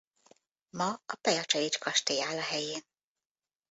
Ma a Pejacsevich-kastély áll a helyén.